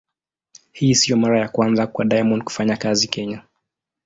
Hii sio mara ya kwanza kwa Diamond kufanya kazi Kenya.